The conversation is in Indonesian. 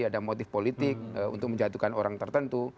ada motif politik untuk menjatuhkan orang tertentu